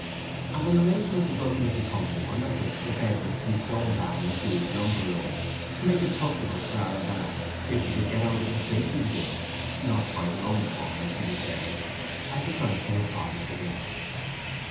And an arrangement was ultimately come to under which a bed was to be thrown down in Jude's lumber room, to make it comfortable for Arabella till she could get out of the strait she was in—not by her own fault, as she declared—and return to her father's again.